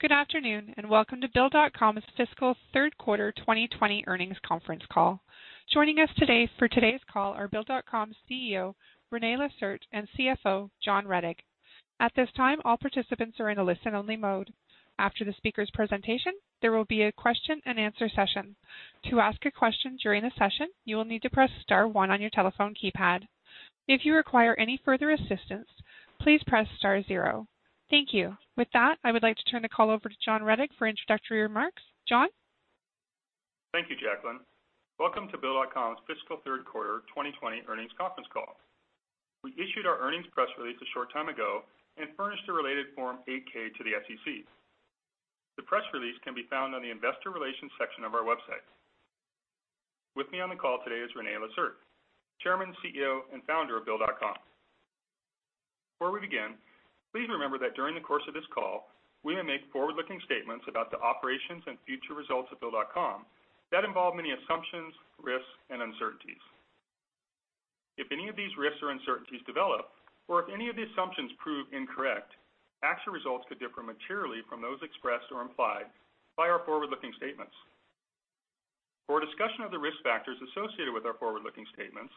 Good afternoon, and welcome to Bill.com's fiscal third quarter 2020 earnings conference call. Joining us today for today's call are Bill.com's CEO, René Lacerte, and CFO, John Rettig. At this time, all participants are in a listen-only mode. After the speakers' presentation, there will be a question and answer session. To ask a question during the session, you will need to press star one on your telephone keypad. If you require any further assistance, please press star zero. Thank you. With that, I would like to turn the call over to John Rettig for introductory remarks. John? Thank you, Jacqueline. Welcome to Bill.com's fiscal third quarter 2020 earnings conference call. We issued our earnings press release a short time ago and furnished a related Form 8-K to the SEC. The press release can be found on the investor relations section of our website. With me on the call today is René Lacerte, Chairman, CEO, and Founder of Bill.com. Before we begin, please remember that during the course of this call, we may make forward-looking statements about the operations and future results of Bill.com that involve many assumptions, risks, and uncertainties. If any of these risks or uncertainties develop, or if any of the assumptions prove incorrect, actual results could differ materially from those expressed or implied by our forward-looking statements. For a discussion of the risk factors associated with our forward-looking statements,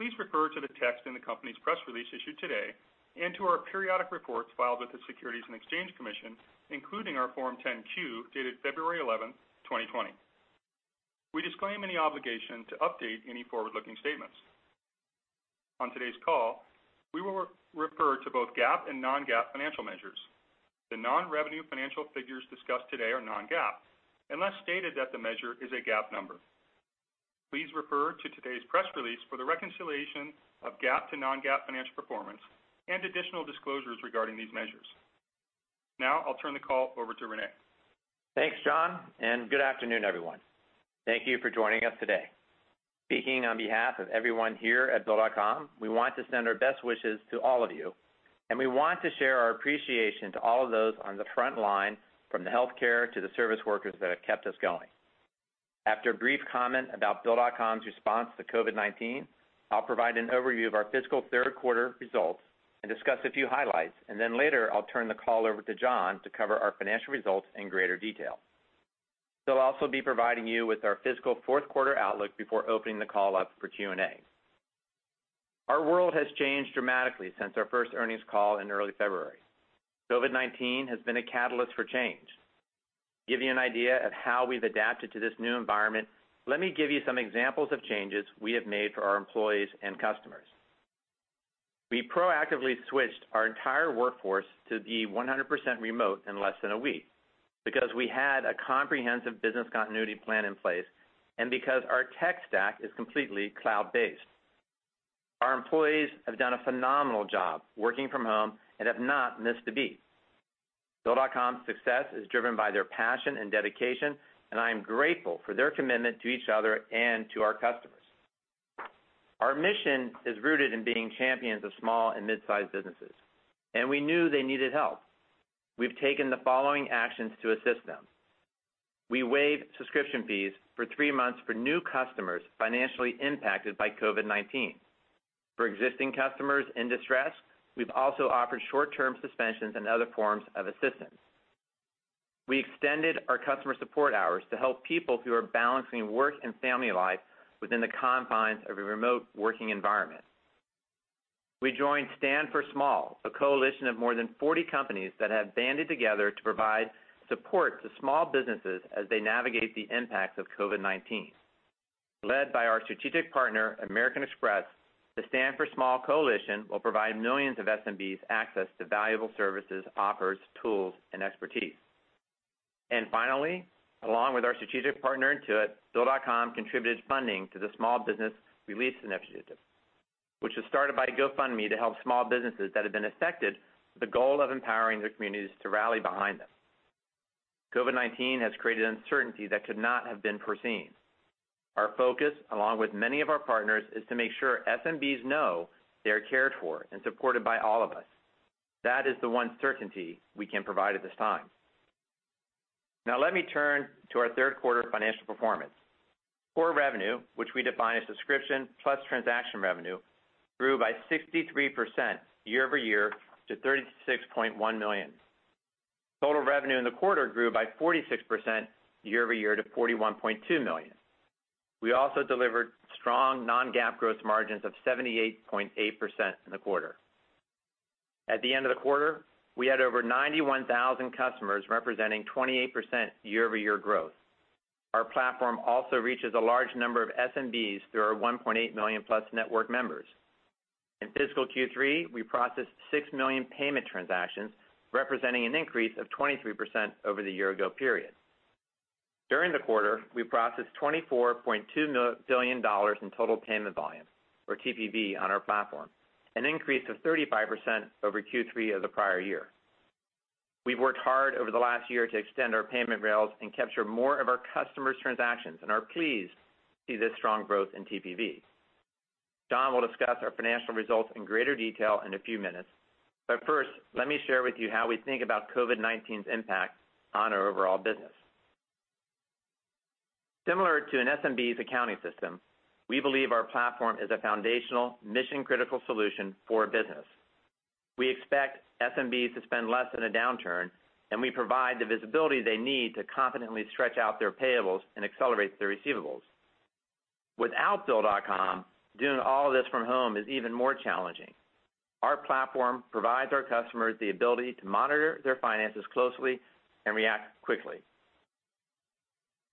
please refer to the text in the company's press release issued today and to our periodic reports filed with the Securities and Exchange Commission, including our Form 10-Q dated February 11th, 2020. We disclaim any obligation to update any forward-looking statements. On today's call, we will refer to both GAAP and non-GAAP financial measures. The non-revenue financial figures discussed today are non-GAAP, unless stated that the measure is a GAAP number. Please refer to today's press release for the reconciliation of GAAP to non-GAAP financial performance and additional disclosures regarding these measures. Now, I'll turn the call over to René. Thanks, John, good afternoon, everyone. Thank you for joining us today. Speaking on behalf of everyone here at Bill.com, we want to send our best wishes to all of you, and we want to share our appreciation to all of those on the front line from the healthcare to the service workers that have kept us going. After a brief comment about Bill.com's response to COVID-19, I'll provide an overview of our fiscal third quarter results and discuss a few highlights, and then later I'll turn the call over to John to cover our financial results in greater detail. He'll also be providing you with our fiscal fourth quarter outlook before opening the call up for Q&A. Our world has changed dramatically since our first earnings call in early February. COVID-19 has been a catalyst for change. To give you an idea of how we've adapted to this new environment, let me give you some examples of changes we have made for our employees and customers. We proactively switched our entire workforce to be 100% remote in less than a week because we had a comprehensive business continuity plan in place, and because our tech stack is completely cloud-based. Our employees have done a phenomenal job working from home and have not missed a beat. Bill.com's success is driven by their passion and dedication, and I am grateful for their commitment to each other and to our customers. Our mission is rooted in being champions of small and mid-sized businesses, and we knew they needed help. We've taken the following actions to assist them. We waived subscription fees for three months for new customers financially impacted by COVID-19. For existing customers in distress, we've also offered short-term suspensions and other forms of assistance. We extended our customer support hours to help people who are balancing work and family life within the confines of a remote working environment. We joined Stand for Small, a coalition of more than 40 companies that have banded together to provide support to small businesses as they navigate the impacts of COVID-19. Led by our strategic partner, American Express, the Stand for Small coalition will provide millions of SMBs access to valuable services, offers, tools, and expertise. Along with our strategic partner, Intuit, Bill.com contributed funding to the Small Business Relief Initiative, which was started by GoFundMe to help small businesses that have been affected with the goal of empowering their communities to rally behind them. COVID-19 has created uncertainty that could not have been foreseen. Our focus, along with many of our partners, is to make sure SMBs know they are cared for and supported by all of us. That is the one certainty we can provide at this time. Now let me turn to our third quarter financial performance. Core revenue, which we define as subscription plus transaction revenue, grew by 63% year-over-year to $36.1 million. Total revenue in the quarter grew by 46% year-over-year to $41.2 million. We also delivered strong non-GAAP gross margins of 78.8% in the quarter. At the end of the quarter, we had over 91,000 customers, representing 28% year-over-year growth. Our platform also reaches a large number of SMBs through our 1.8 million+ network members. In fiscal Q3, we processed 6 million payment transactions, representing an increase of 23% over the year ago period. During the quarter, we processed $24.2 billion in total payment volume, or TPV, on our platform, an increase of 35% over Q3 of the prior year. We've worked hard over the last year to extend our payment rails and capture more of our customers' transactions and are pleased to see this strong growth in TPV. John will discuss our financial results in greater detail in a few minutes, but first, let me share with you how we think about COVID-19's impact on our overall business. Similar to an SMB's accounting system, we believe our platform is a foundational mission-critical solution for business. We expect SMBs to spend less in a downturn, and we provide the visibility they need to confidently stretch out their payables and accelerate their receivables. Without Bill.com, doing all this from home is even more challenging. Our platform provides our customers the ability to monitor their finances closely and react quickly.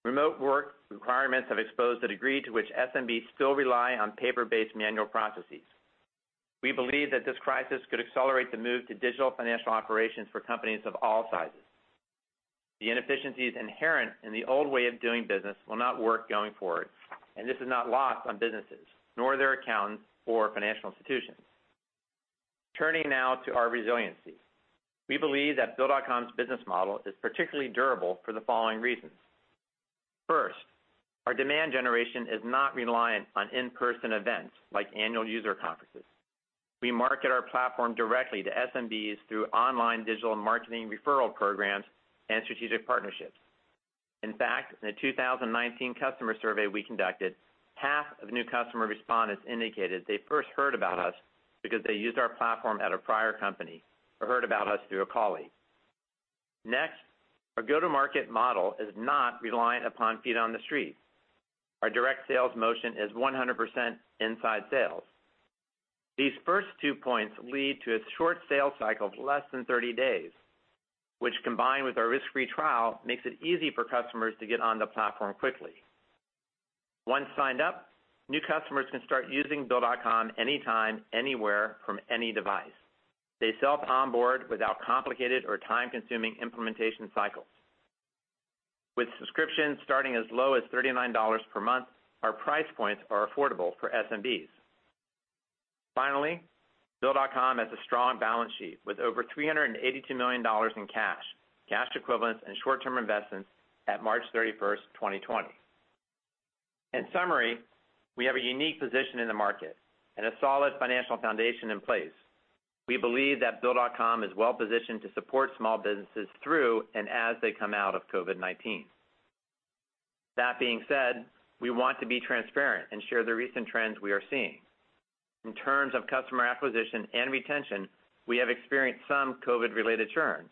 Remote work requirements have exposed the degree to which SMBs still rely on paper-based manual processes. We believe that this crisis could accelerate the move to digital financial operations for companies of all sizes. The inefficiencies inherent in the old way of doing business will not work going forward, and this is not lost on businesses, nor their accountants or financial institutions. Turning now to our resiliency. We believe that Bill.com's business model is particularly durable for the following reasons. First, our demand generation is not reliant on in-person events like annual user conferences. We market our platform directly to SMBs through online digital marketing referral programs and strategic partnerships. In fact, in a 2019 customer survey we conducted, half of new customer respondents indicated they first heard about us because they used our platform at a prior company or heard about us through a colleague. Our go-to-market model is not reliant upon feet on the street. Our direct sales motion is 100% inside sales. These first two points lead to a short sales cycle of less than 30 days, which combined with our risk-free trial, makes it easy for customers to get on the platform quickly. Once signed up, new customers can start using Bill.com anytime, anywhere, from any device. They self-onboard without complicated or time-consuming implementation cycles. With subscriptions starting as low as $39 per month, our price points are affordable for SMBs. BILL.com has a strong balance sheet with over $382 million in cash equivalents, and short-term investments at March 31st, 2020. In summary, we have a unique position in the market and a solid financial foundation in place. We believe that Bill.com is well-positioned to support small businesses through and as they come out of COVID-19. That being said, we want to be transparent and share the recent trends we are seeing. In terms of customer acquisition and retention, we have experienced some COVID-related churn.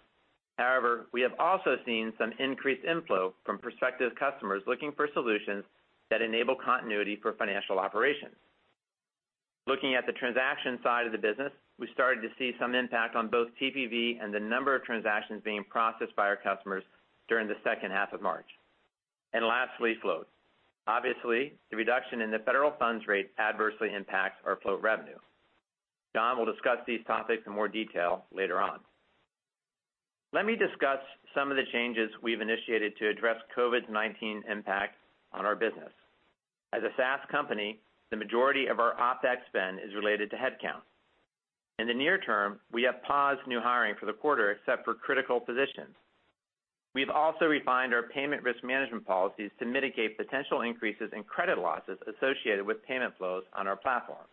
However, we have also seen some increased inflow from prospective customers looking for solutions that enable continuity for financial operations. Looking at the transaction side of the business, we started to see some impact on both TPV and the number of transactions being processed by our customers during the second half of March. Lastly, float. Obviously, the reduction in the federal funds rate adversely impacts our float revenue. John will discuss these topics in more detail later on. Let me discuss some of the changes we've initiated to address COVID-19 impact on our business. As a SaaS company, the majority of our OpEx spend is related to headcount. In the near term, we have paused new hiring for the quarter except for critical positions. We've also refined our payment risk management policies to mitigate potential increases in credit losses associated with payment flows on our platform.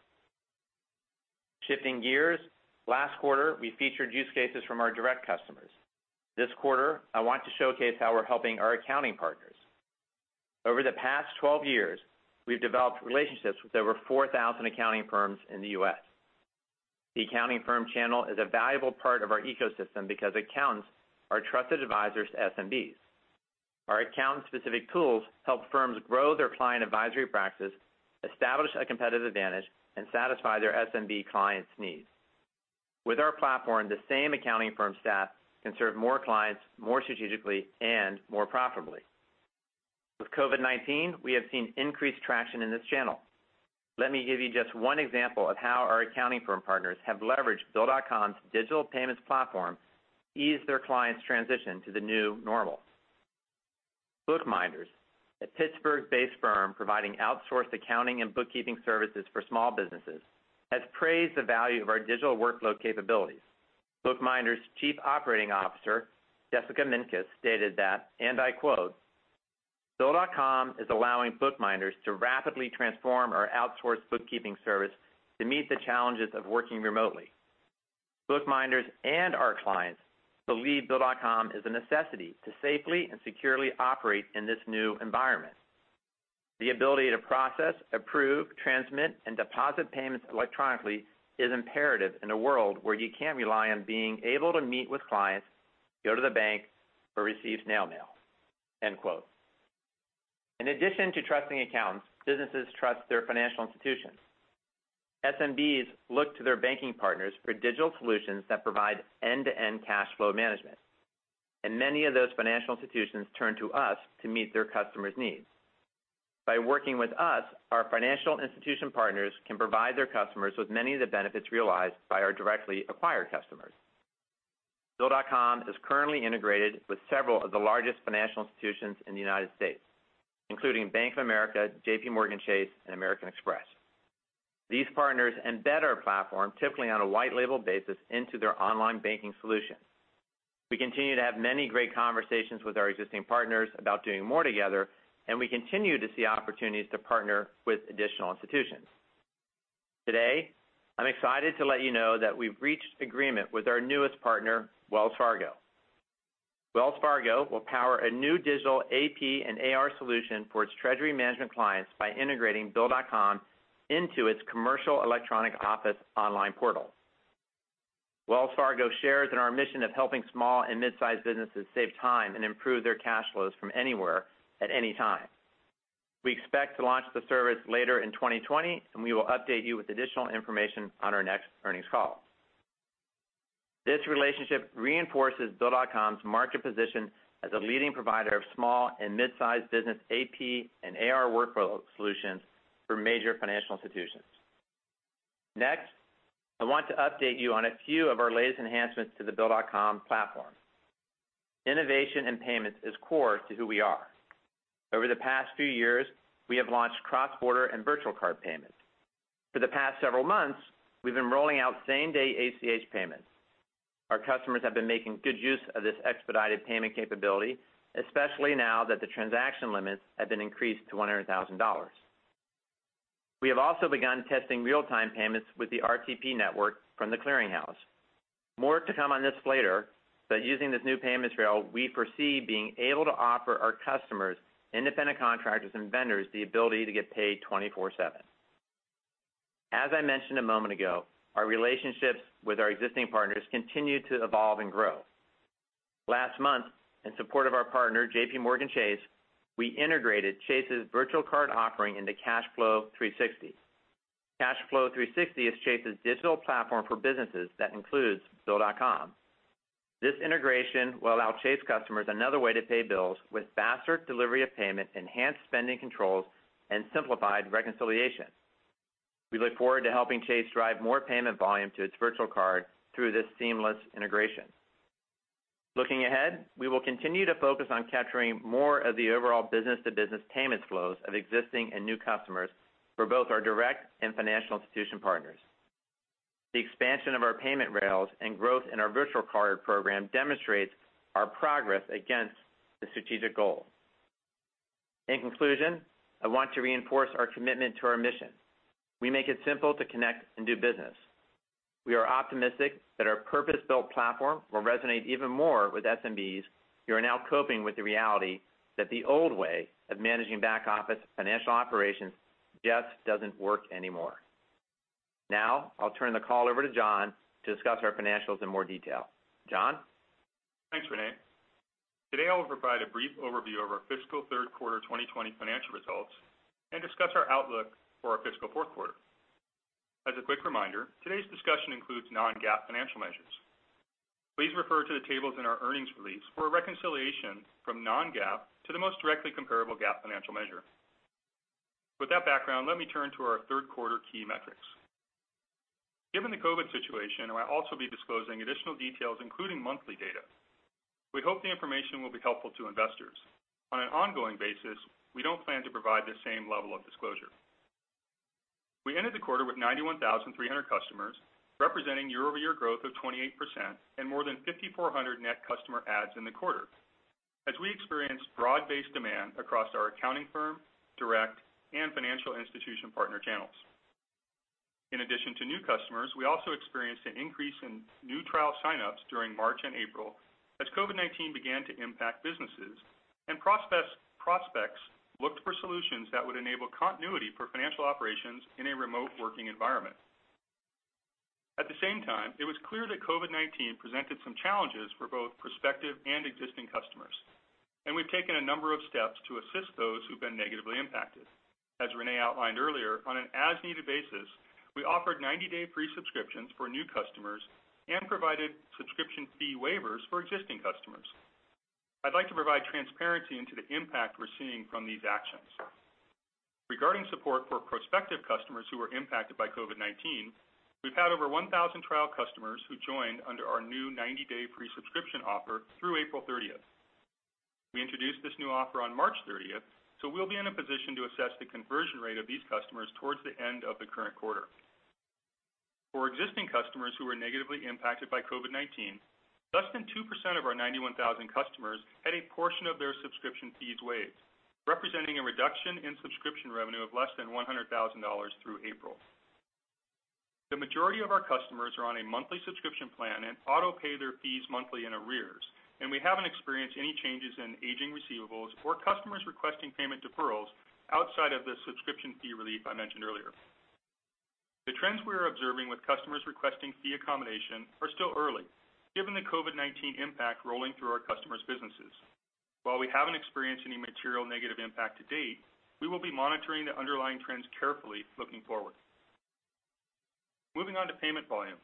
Shifting gears, last quarter, we featured use cases from our direct customers. This quarter, I want to showcase how we're helping our accounting partners. Over the past 12 years, we've developed relationships with over 4,000 accounting firms in the U.S. The accounting firm channel is a valuable part of our ecosystem because accountants are trusted advisors to SMBs. Our account-specific tools help firms grow their client advisory practice, establish a competitive advantage, and satisfy their SMB clients' needs. With our platform, the same accounting firm staff can serve more clients more strategically and more profitably. With COVID-19, we have seen increased traction in this channel. Let me give you just one example of how our accounting firm partners have leveraged Bill.com's digital payments platform ease their clients transition to the new normal. Bookminders, a Pittsburgh-based firm providing outsourced accounting and bookkeeping services for small businesses, has praised the value of our digital workload capabilities. Bookminders Chief Operating Officer, Jessica Minkus, stated that, and I quote, "Bill.com is allowing Bookminders to rapidly transform our outsourced bookkeeping service to meet the challenges of working remotely. Bookminders and our clients believe Bill.com is a necessity to safely and securely operate in this new environment. The ability to process, approve, transmit, and deposit payments electronically is imperative in a world where you can't rely on being able to meet with clients, go to the bank, or receive snail mail." End quote. In addition to trusting accountants, businesses trust their financial institutions. SMBs look to their banking partners for digital solutions that provide end-to-end cash flow management, and many of those financial institutions turn to us to meet their customers' needs. By working with us, our financial institution partners can provide their customers with many of the benefits realized by our directly acquired customers. Bill.com is currently integrated with several of the largest financial institutions in the U.S., including Bank of America, JPMorgan Chase, and American Express. These partners embed our platform, typically on a white label basis, into their online banking solutions. We continue to have many great conversations with our existing partners about doing more together, and we continue to see opportunities to partner with additional institutions. Today, I'm excited to let you know that we've reached agreement with our newest partner, Wells Fargo. Wells Fargo will power a new digital AP and AR solution for its treasury management clients by integrating Bill.com into its commercial electronic office online portal. Wells Fargo shares in our mission of helping small and mid-size businesses save time and improve their cash flows from anywhere at any time. We expect to launch the service later in 2020, and we will update you with additional information on our next earnings call. This relationship reinforces Bill.com's market position as a leading provider of small and mid-size business AP and AR workflow solutions for major financial institutions. Next, I want to update you on a few of our latest enhancements to the Bill.com platform. Innovation in payments is core to who we are. Over the past few years, we have launched cross-border and virtual card payments. For the past several months, we've been rolling out same-day ACH payments. Our customers have been making good use of this expedited payment capability, especially now that the transaction limits have been increased to $100,000. We have also begun testing real-time payments with the RTP network from The Clearing House. More to come on this later, using this new payments rail, we foresee being able to offer our customers, independent contractors, and vendors the ability to get paid 24/7. As I mentioned a moment ago, our relationships with our existing partners continue to evolve and grow. Last month, in support of our partner, JPMorgan Chase, we integrated Chase's virtual card offering into Cashflow360. Cashflow360 is Chase's digital platform for businesses that includes Bill.com. This integration will allow Chase customers another way to pay bills with faster delivery of payment, enhanced spending controls, and simplified reconciliation. We look forward to helping Chase drive more payment volume to its virtual card through this seamless integration. Looking ahead, we will continue to focus on capturing more of the overall business-to-business payments flows of existing and new customers for both our direct and financial institution partners. The expansion of our payment rails and growth in our virtual card program demonstrates our progress against this strategic goal. In conclusion, I want to reinforce our commitment to our mission. We make it simple to connect and do business. We are optimistic that our purpose-built platform will resonate even more with SMBs, who are now coping with the reality that the old way of managing back office financial operations just doesn't work anymore. I'll turn the call over to John to discuss our financials in more detail. John? Thanks, René. Today, I will provide a brief overview of our fiscal third quarter 2020 financial results and discuss our outlook for our fiscal fourth quarter. As a quick reminder, today's discussion includes non-GAAP financial measures. Please refer to the tables in our earnings release for a reconciliation from non-GAAP to the most directly comparable GAAP financial measure. With that background, let me turn to our third quarter key metrics. Given the COVID-19 situation, I will also be disclosing additional details, including monthly data. We hope the information will be helpful to investors. On an ongoing basis, we don't plan to provide the same level of disclosure. We ended the quarter with 91,300 customers, representing year-over-year growth of 28% and more than 5,400 net customer adds in the quarter as we experienced broad-based demand across our accounting firm, direct, and financial institution partner channels. In addition to new customers, we also experienced an increase in new trial sign-ups during March and April as COVID-19 began to impact businesses and prospects looked for solutions that would enable continuity for financial operations in a remote working environment. At the same time, it was clear that COVID-19 presented some challenges for both prospective and existing customers. We've taken a number of steps to assist those who've been negatively impacted. As René outlined earlier, on an as-needed basis, we offered 90-day free subscriptions for new customers and provided subscription fee waivers for existing customers. I'd like to provide transparency into the impact we're seeing from these actions. Regarding support for prospective customers who were impacted by COVID-19, we've had over 1,000 trial customers who joined under our new 90-day free subscription offer through April 30th. We introduced this new offer on March 30th, so we'll be in a position to assess the conversion rate of these customers towards the end of the current quarter. For existing customers who were negatively impacted by COVID-19, less than 2% of our 91,000 customers had a portion of their subscription fees waived, representing a reduction in subscription revenue of less than $100,000 through April. The majority of our customers are on a monthly subscription plan and auto-pay their fees monthly in arrears, and we haven't experienced any changes in aging receivables or customers requesting payment deferrals outside of the subscription fee relief I mentioned earlier. The trends we are observing with customers requesting fee accommodation are still early, given the COVID-19 impact rolling through our customers' businesses. While we haven't experienced any material negative impact to date, we will be monitoring the underlying trends carefully looking forward. Moving on to payment volume.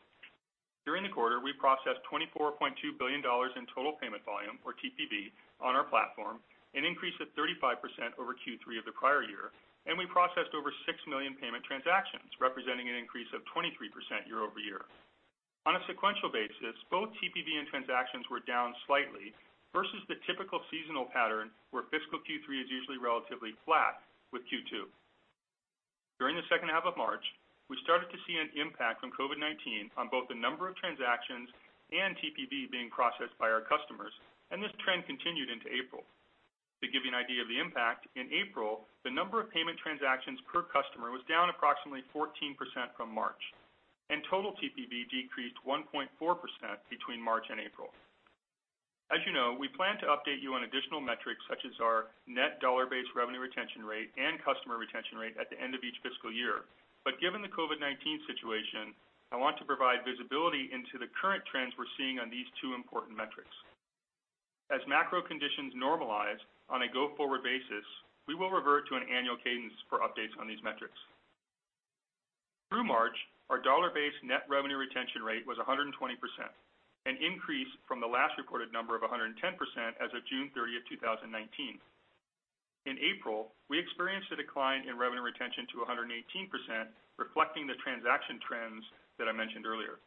During the quarter, we processed $24.2 billion in total payment volume, or TPV, on our platform, an increase of 35% over Q3 of the prior year, and we processed over 6 million payment transactions, representing an increase of 23% year-over-year. On a sequential basis, both TPV and transactions were down slightly versus the typical seasonal pattern where fiscal Q3 is usually relatively flat with Q2. During the second half of March, we started to see an impact from COVID-19 on both the number of transactions and TPV being processed by our customers, and this trend continued into April. To give you an idea of the impact, in April, the number of payment transactions per customer was down approximately 14% from March. Total TPV decreased 1.4% between March and April. As you know, we plan to update you on additional metrics such as our net dollar-based revenue retention rate and customer retention rate at the end of each fiscal year. Given the COVID-19 situation, I want to provide visibility into the current trends we're seeing on these two important metrics. As macro conditions normalize on a go-forward basis, we will revert to an annual cadence for updates on these metrics. Through March, our dollar-based net revenue retention rate was 120%, an increase from the last reported number of 110% as of June 30th, 2019. In April, we experienced a decline in revenue retention to 118%, reflecting the transaction trends that I mentioned earlier.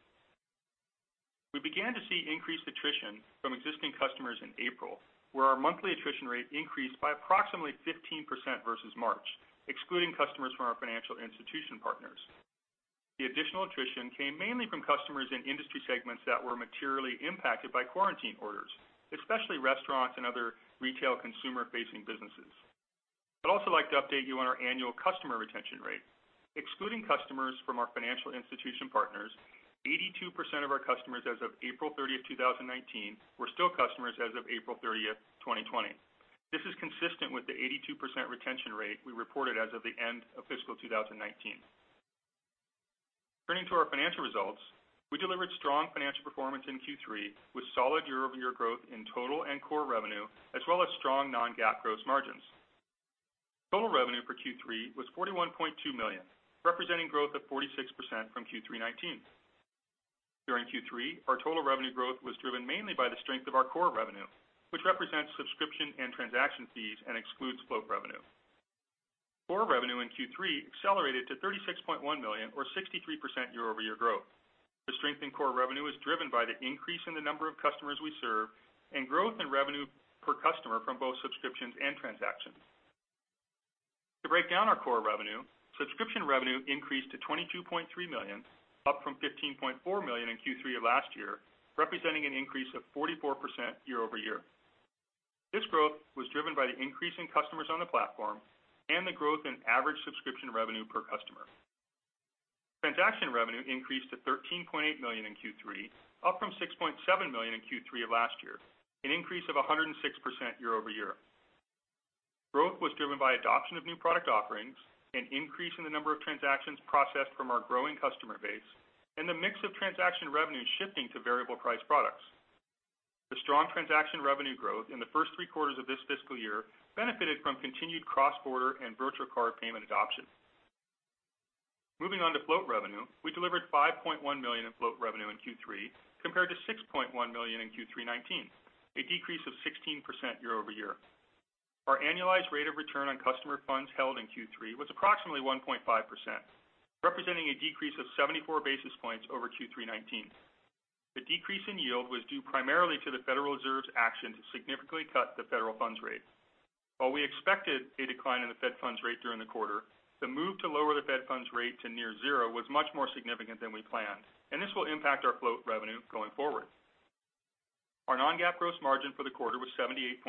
We began to see increased attrition from existing customers in April, where our monthly attrition rate increased by approximately 15% versus March, excluding customers from our financial institution partners. The additional attrition came mainly from customers in industry segments that were materially impacted by quarantine orders, especially restaurants and other retail consumer-facing businesses. I'd also like to update you on our annual customer retention rate. Excluding customers from our financial institution partners, 82% of our customers as of April 30th, 2019, were still customers as of April 30th, 2020. This is consistent with the 82% retention rate we reported as of the end of fiscal 2019. Turning to our financial results. We delivered strong financial performance in Q3 with solid year-over-year growth in total and core revenue, as well as strong non-GAAP gross margins. Total revenue for Q3 was $41.2 million, representing growth of 46% from Q3 2019. During Q3, our total revenue growth was driven mainly by the strength of our core revenue, which represents subscription and transaction fees and excludes float revenue. Core revenue in Q3 accelerated to $36.1 million or 63% year-over-year growth. The strength in core revenue is driven by the increase in the number of customers we serve and growth in revenue per customer from both subscriptions and transactions. To break down our core revenue, subscription revenue increased to $22.3 million, up from $15.4 million in Q3 of last year, representing an increase of 44% year-over-year. This growth was driven by the increase in customers on the platform and the growth in average subscription revenue per customer. Transaction revenue increased to $13.8 million in Q3, up from $6.7 million in Q3 of last year, an increase of 106% year-over-year. Growth was driven by adoption of new product offerings, an increase in the number of transactions processed from our growing customer base, and the mix of transaction revenue shifting to variable price products. The strong transaction revenue growth in the first three quarters of this fiscal year benefited from continued cross-border and virtual card payment adoption. Moving on to float revenue. We delivered $5.1 million in float revenue in Q3 compared to $6.1 million in Q3 2019, a decrease of 16% year-over-year. Our annualized rate of return on customer funds held in Q3 was approximately 1.5%, representing a decrease of 74 basis points over Q3 2019. The decrease in yield was due primarily to the Federal Reserve's action to significantly cut the federal funds rate. While we expected a decline in the Fed funds rate during the quarter, the move to lower the Fed funds rate to near zero was much more significant than we planned, and this will impact our float revenue going forward. Our non-GAAP gross margin for the quarter was 78.8%,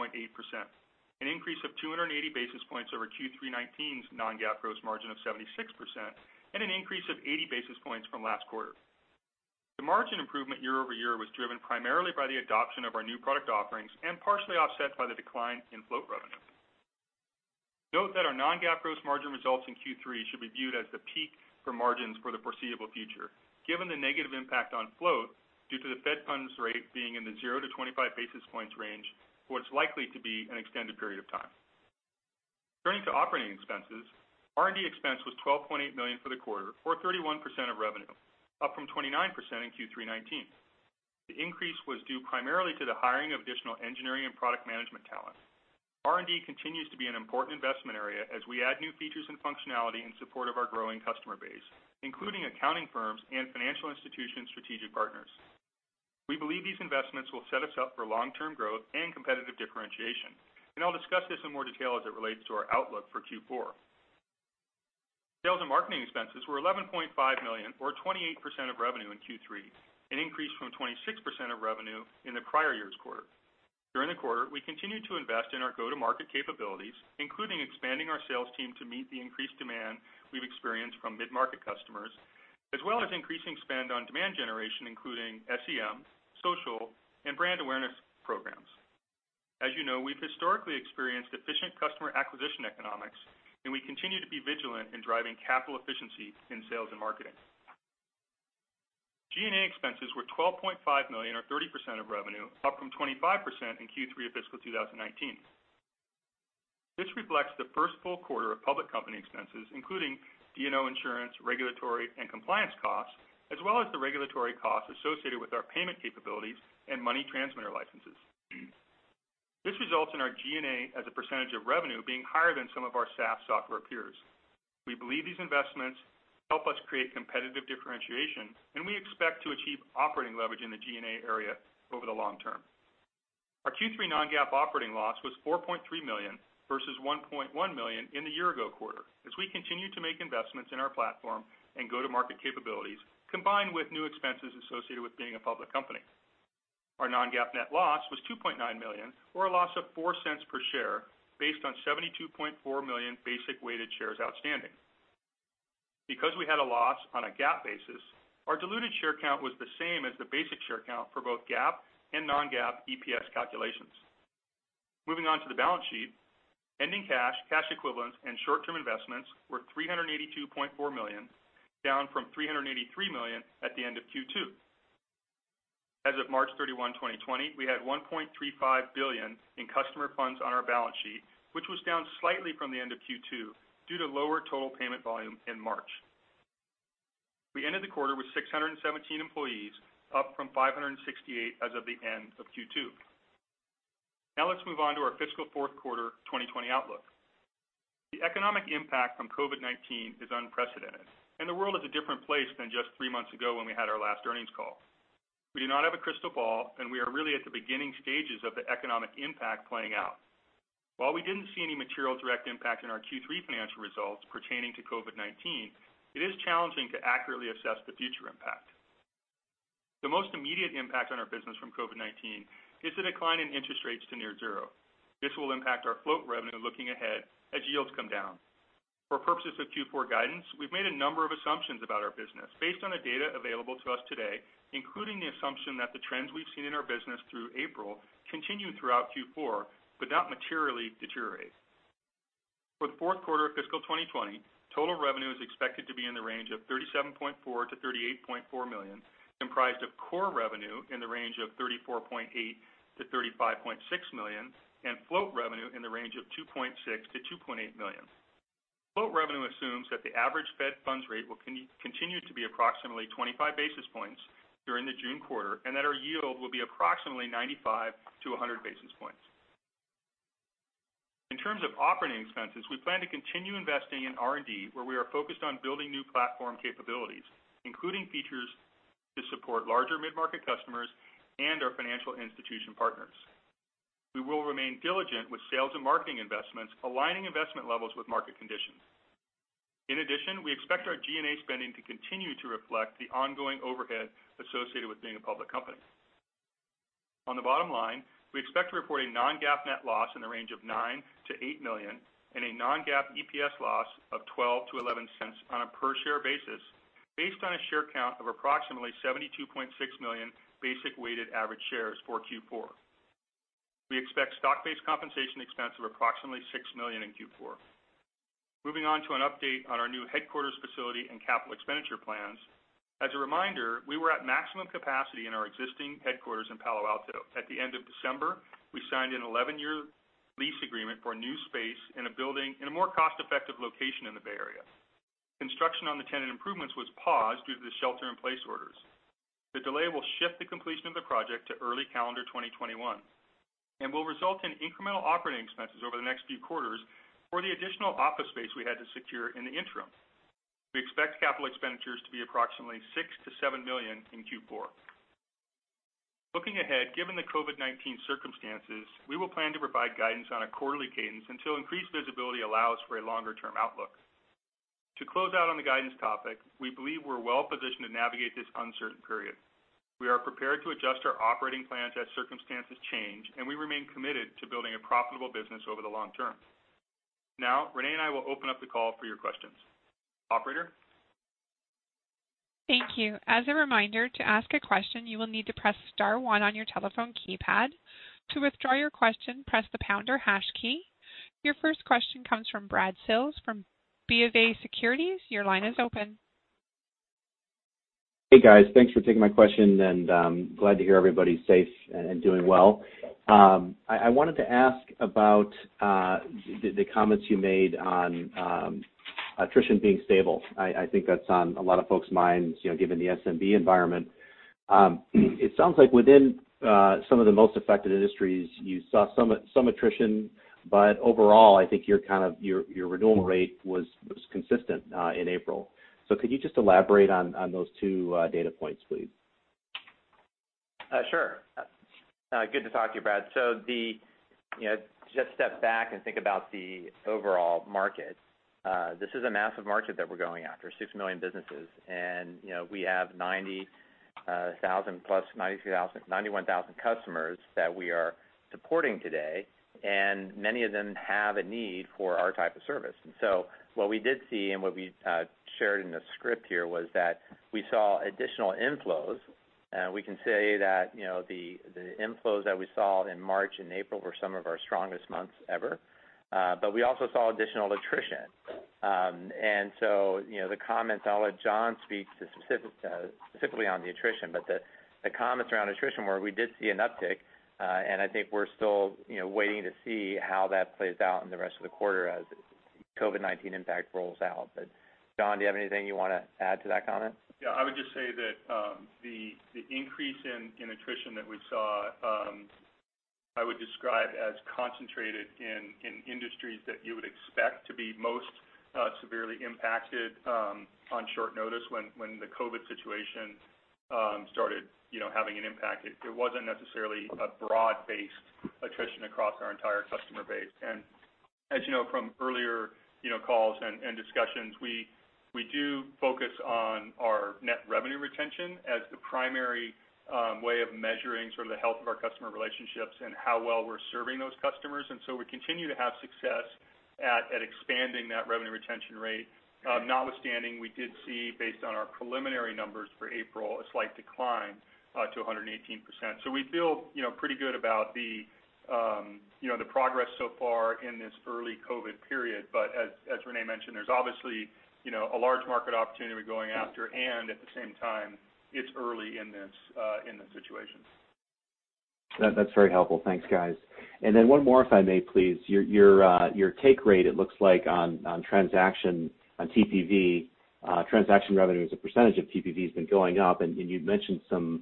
an increase of 280 basis points over Q3 2019's non-GAAP gross margin of 76%, and an increase of 80 basis points from last quarter. The margin improvement year-over-year was driven primarily by the adoption of our new product offerings and partially offset by the decline in float revenue. Note that our non-GAAP gross margin results in Q3 should be viewed as the peak for margins for the foreseeable future, given the negative impact on float due to the Fed funds rate being in the zero to 25 basis points range for what's likely to be an extended period of time. Turning to operating expenses. R&D expense was $12.8 million for the quarter, or 31% of revenue, up from 29% in Q3 2019. The increase was due primarily to the hiring of additional engineering and product management talent. R&D continues to be an important investment area as we add new features and functionality in support of our growing customer base, including accounting firms and financial institution strategic partners. We believe these investments will set us up for long-term growth and competitive differentiation. I'll discuss this in more detail as it relates to our outlook for Q4. Sales and marketing expenses were $11.5 million or 28% of revenue in Q3, an increase from 26% of revenue in the prior year's quarter. During the quarter, we continued to invest in our go-to-market capabilities, including expanding our sales team to meet the increased demand we've experienced from mid-market customers, as well as increasing spend on demand generation, including SEM, social, and brand awareness programs. As you know, we've historically experienced efficient customer acquisition economics. We continue to be vigilant in driving capital efficiency in sales and marketing. G&A expenses were $12.5 million or 30% of revenue, up from 25% in Q3 of fiscal 2019. This reflects the first full quarter of public company expenses, including D&O insurance, regulatory, and compliance costs, as well as the regulatory costs associated with our payment capabilities and money transmitter licenses. This results in our G&A as a percentage of revenue being higher than some of our SaaS software peers. We believe these investments help us create competitive differentiation, and we expect to achieve operating leverage in the G&A area over the long term. Our Q3 non-GAAP operating loss was $4.3 million versus $1.1 million in the year-ago quarter as we continue to make investments in our platform and go-to-market capabilities, combined with new expenses associated with being a public company. Our non-GAAP net loss was $2.9 million, or a loss of $0.04 per share based on 72.4 million basic weighted shares outstanding. Because we had a loss on a GAAP basis, our diluted share count was the same as the basic share count for both GAAP and non-GAAP EPS calculations. Moving on to the balance sheet. Ending cash equivalents, and short-term investments were $382.4 million, down from $383 million at the end of Q2. As of March 31, 2020, we had $1.35 billion in customer funds on our balance sheet, which was down slightly from the end of Q2 due to lower total payment volume in March. We ended the quarter with 617 employees, up from 568 as of the end of Q2. Now let's move on to our fiscal fourth quarter 2020 outlook. The economic impact from COVID-19 is unprecedented, the world is a different place than just three months ago when we had our last earnings call. We do not have a crystal ball, we are really at the beginning stages of the economic impact playing out. While we didn't see any material direct impact in our Q3 financial results pertaining to COVID-19, it is challenging to accurately assess the future impact. The most immediate impact on our business from COVID-19 is the decline in interest rates to near zero. This will impact our float revenue looking ahead as yields come down. For purposes of Q4 guidance, we've made a number of assumptions about our business based on the data available to us today, including the assumption that the trends we've seen in our business through April continue throughout Q4 but not materially deteriorate. For the fourth quarter of fiscal 2020, total revenue is expected to be in the range of $37.4 million-$38.4 million, comprised of core revenue in the range of $34.8 million-$35.6 million, and float revenue in the range of $2.6 million-$2.8 million. Float revenue assumes that the average Fed funds rate will continue to be approximately 25 basis points during the June quarter, and that our yield will be approximately 95-100 basis points. In terms of operating expenses, we plan to continue investing in R&D, where we are focused on building new platform capabilities, including features to support larger mid-market customers and our financial institution partners. We will remain diligent with sales and marketing investments, aligning investment levels with market conditions. We expect our G&A spending to continue to reflect the ongoing overhead associated with being a public company. On the bottom line, we expect to report a non-GAAP net loss in the range of $9 million-$8 million and a non-GAAP EPS loss of $0.12-$0.11 on a per-share basis based on a share count of approximately 72.6 million basic weighted average shares for Q4. We expect stock-based compensation expense of approximately $6 million in Q4. Moving on to an update on our new headquarters facility and capital expenditure plans. As a reminder, we were at maximum capacity in our existing headquarters in Palo Alto. At the end of December, we signed an 11-year lease agreement for a new space in a building in a more cost-effective location in the Bay Area. Construction on the tenant improvements was paused due to the shelter-in-place orders. The delay will shift the completion of the project to early calendar 2021 and will result in incremental operating expenses over the next few quarters for the additional office space we had to secure in the interim. We expect capital expenditures to be approximately $6 million-$7 million in Q4. Looking ahead, given the COVID-19 circumstances, we will plan to provide guidance on a quarterly cadence until increased visibility allows for a longer-term outlook. To close out on the guidance topic, we believe we're well-positioned to navigate this uncertain period. We are prepared to adjust our operating plans as circumstances change, and we remain committed to building a profitable business over the long term. Now, René and I will open up the call for your questions. Operator? Thank you. As a reminder, to ask a question, you will need to press star one on your telephone keypad. To withdraw your question, press the pound or hash key. Your first question comes from Brad Sills from BofA Securities. Your line is open. Hey, guys. Thanks for taking my question, and glad to hear everybody's safe and doing well. I wanted to ask about the comments you made on attrition being stable. I think that's on a lot of folks' minds given the SMB environment. It sounds like within some of the most affected industries, you saw some attrition, but overall, I think your renewal rate was consistent in April. Could you just elaborate on those two data points, please? Sure. Good to talk to you, Brad. Just step back and think about the overall market. This is a massive market that we're going after, 6 million businesses, and we have 90,000+, 91,000 customers that we are supporting today, and many of them have a need for our type of service. What we did see and what we shared in the script here was that we saw additional inflows. We can say that the inflows that we saw in March and April were some of our strongest months ever. We also saw additional attrition. The comments, I'll let John speak specifically on the attrition, but the comments around attrition were we did see an uptick, and I think we're still waiting to see how that plays out in the rest of the quarter as COVID-19 impact rolls out. John, do you have anything you want to add to that comment? Yeah, I would just say that the increase in attrition that we saw I would describe as concentrated in industries that you would expect to be most severely impacted on short notice when the COVID-19 situation started having an impact. It wasn't necessarily a broad-based attrition across our entire customer base. As you know from earlier calls and discussions, we do focus on our net revenue retention as the primary way of measuring sort of the health of our customer relationships and how well we're serving those customers. We continue to have success at expanding that revenue retention rate. Notwithstanding, we did see, based on our preliminary numbers for April, a slight decline to 118%. We feel pretty good about the progress so far in this early COVID-19 period. As René mentioned, there's obviously a large market opportunity we're going after, at the same time, it's early in this situation. That's very helpful. Thanks, guys. Then one more if I may please. Your take rate, it looks like on TPV, transaction revenue as a percentage of TPV has been going up, and you'd mentioned some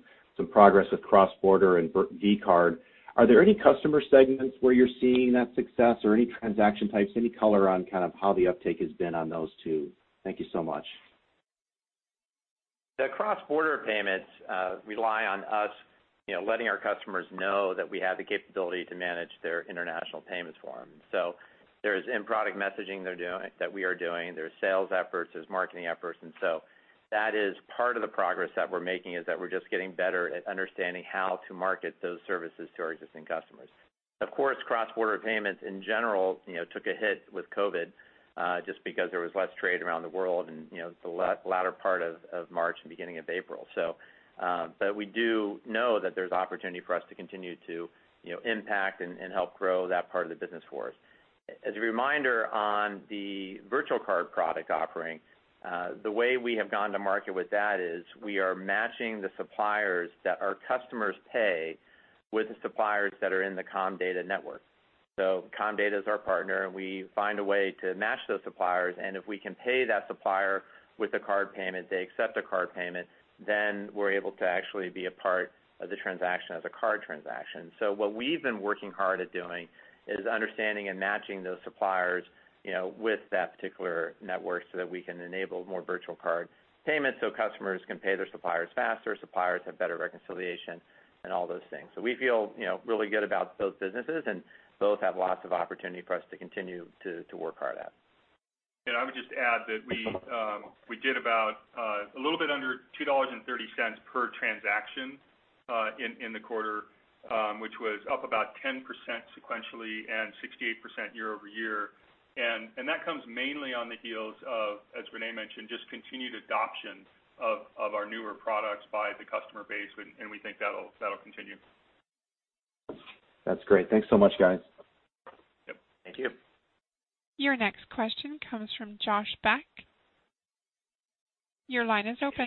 progress with cross-border and virtual card. Are there any customer segments where you're seeing that success or any transaction types? Any color on kind of how the uptake has been on those two? Thank you so much. The cross-border payments rely on us letting our customers know that we have the capability to manage their international payments for them. There's in-product messaging that we are doing. There's sales efforts, there's marketing efforts, and so that is part of the progress that we're making, is that we're just getting better at understanding how to market those services to our existing customers. Of course, cross-border payments in general took a hit with COVID-19, just because there was less trade around the world in the latter part of March and beginning of April. We do know that there's opportunity for us to continue to impact and help grow that part of the business for us. As a reminder on the virtual card product offering, the way we have gone to market with that is we are matching the suppliers that our customers pay with the suppliers that are in the Comdata network. Comdata is our partner, and we find a way to match those suppliers, and if we can pay that supplier with a card payment, they accept a card payment, then we're able to actually be a part of the transaction as a card transaction. What we've been working hard at doing is understanding and matching those suppliers with that particular network so that we can enable more virtual card payments so customers can pay their suppliers faster, suppliers have better reconciliation and all those things. We feel really good about those businesses, and both have lots of opportunity for us to continue to work hard at. I would just add that we did about a little bit under $2.30 per transaction in the quarter, which was up about 10% sequentially and 68% year-over-year. That comes mainly on the heels of, as René mentioned, just continued adoption of our newer products by the customer base, and we think that'll continue. That's great. Thanks so much, guys. Yep. Thank you. Your next question comes from Josh Beck. Your line is open.